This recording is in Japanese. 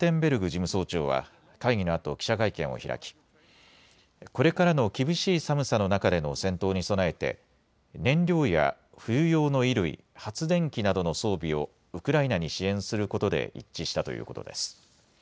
事務総長は会議のあと記者会見を開きこれからの厳しい寒さの中での戦闘に備えて燃料や冬用の衣類、発電機などの装備をウクライナに支援することで一致したということです。